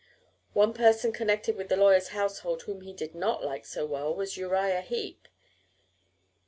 One person connected with the lawyer's household whom he did not like so well was Uriah Heep.